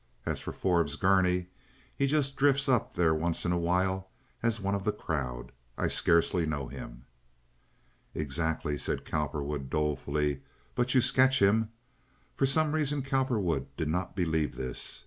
As for Forbes Gurney, he just drifts up there once in a while as one of the crowd. I scarcely know him." "Exactly," said Cowperwood, dolefully; "but you sketch him." For some reason Cowperwood did not believe this.